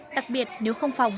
đặc biệt nếu không phòng